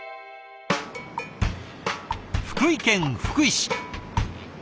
福井県福井市。